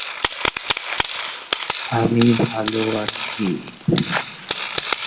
কিন্তু দলের নির্দেশে সেবার তাকে ঢাকায় ফিরে আসতে হয়েছিল বলে তিনি মেদিনীপুরে বিশেষ কিছুই পরে উঠতে পারেননি।